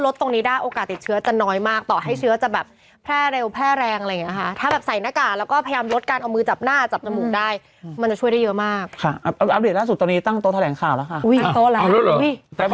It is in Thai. ก็ดีนะวันยะเขาเปิดทะเบียนแล้วนะอันนี้อันนี้